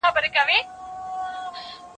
دوی چي ول موږ به غلي يو